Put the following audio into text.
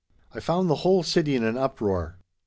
I found the whole city in an uproar.